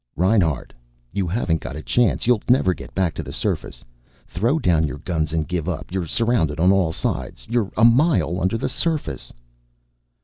"Reinhart! You haven't got a chance. You'll never get back to the surface. Throw down your guns and give up. You're surrounded on all sides. You're a mile, under the surface."